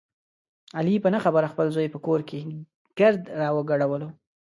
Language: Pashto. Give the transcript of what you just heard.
علي په نه خبره خپل زوی په کور کې ګرد را وګډولو.